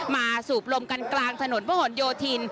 สูบลมกันกลางถนนพระหลโยธิน